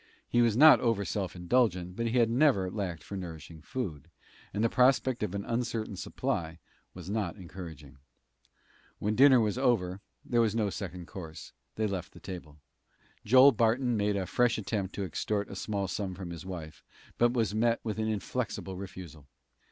He was not over self indulgent, but he had never lacked for nourishing food, and the prospect of an uncertain supply was not encouraging. When dinner was over there was no second course they left the table. Joel Barton made a fresh attempt to extort a small sum from his wife, but was met with an inflexible refusal.